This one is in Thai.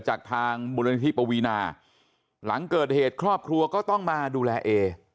จากทางมูลนิธิปวีนาหลังเกิดเหตุครอบครัวก็ต้องมาดูแลเอ